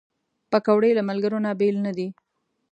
پکورې له ملګرو نه بېل نه دي